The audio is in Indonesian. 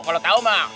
kalau tau mah